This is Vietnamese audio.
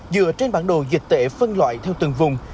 dựa trên bản đồ dịch tễ phân loại theo từng vùng